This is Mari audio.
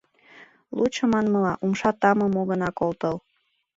Лучо, манмыла, умша тамым огына колтыл.